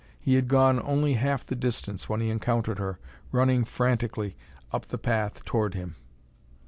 He had gone only half the distance when he encountered her, running frantically up the path toward him.